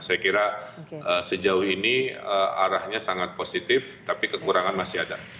saya kira sejauh ini arahnya sangat positif tapi kekurangan masih ada